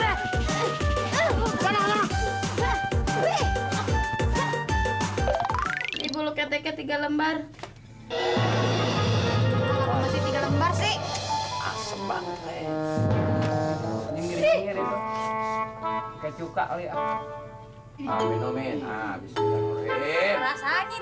aduh bukan bener bener ini buat obatin orang